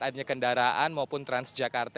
adanya kendaraan maupun transjakarta